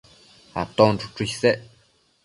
Aton chuchu isec